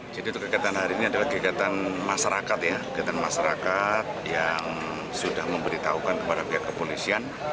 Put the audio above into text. jadi untuk kegiatan hari ini adalah kegiatan masyarakat ya kegiatan masyarakat yang sudah memberitahukan kepada pihak kepolisian